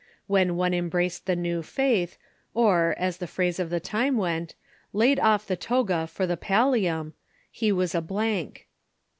When one embraced the new faith, or, as the phrase of the time went, " laid off the toga for the pallium," he was a blank.